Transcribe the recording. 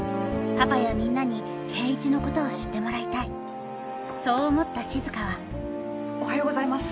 パパやみんなに圭一のことを知ってもらいたいそう思った静はおはようございます！